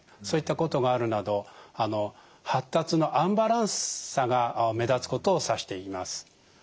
そういったことがあるなど発達のアンバランスさが目立つことを指して言います。